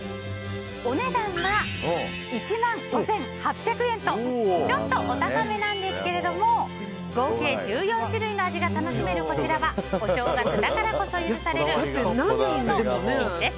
お値段は１万５８００円とちょっと、お高めなんですけど合計１４種類の味が楽しめるこちらはお正月だからこそ許される極上の逸品です。